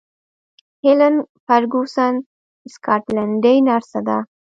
هیلن فرګوسن سکاټلنډۍ نرسه ده.